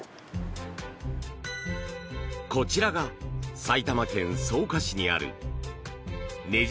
こちらが埼玉県草加市にあるねじ